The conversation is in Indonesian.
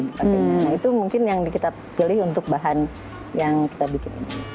nah itu mungkin yang kita pilih untuk bahan yang kita bikin